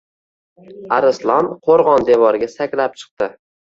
Arslon qo‘rg‘on devoriga sakrab chiqdi.